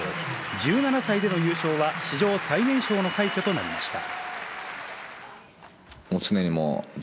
１７歳での優勝は史上最年少の快挙となりました。